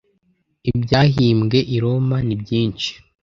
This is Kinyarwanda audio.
Ibyahimbwe i Roma ni byinshi